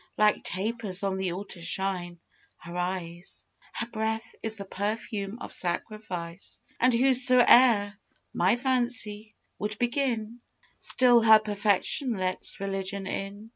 Like tapers on the altar shine her eyes; Her breath is the perfume of sacrifice. And wheresoe'er my fancy would begin, Still her perfection lets religion in.